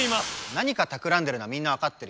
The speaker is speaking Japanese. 何かたくらんでるのはみんなわかってるよ。